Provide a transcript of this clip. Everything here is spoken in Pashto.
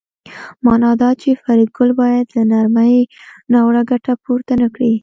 مانا دا چې فریدګل باید له نرمۍ ناوړه ګټه پورته نکړي